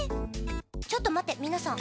ちょっと待って皆さん。